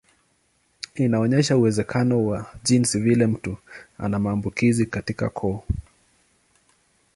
Inaonyesha uwezekano wa jinsi vile mtu ana maambukizi katika koo.